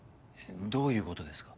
どういうことですか？